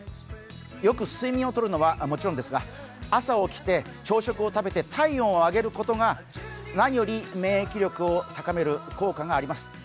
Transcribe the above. よく睡眠を取るのはもちろんですが、朝、起きて朝食を食べて体温を上げることが何より免疫力を高める効果があります。